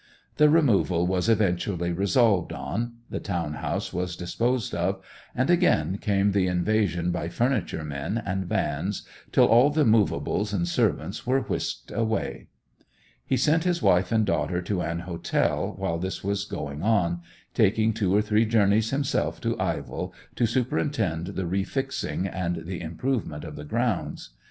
The removal was eventually resolved on; the town house was disposed of; and again came the invasion by furniture men and vans, till all the movables and servants were whisked away. He sent his wife and daughter to an hotel while this was going on, taking two or three journeys himself to Ivell to superintend the refixing, and the improvement of the grounds.